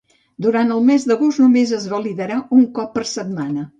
Durant el mes d'agost només es validarà un cop per setmana.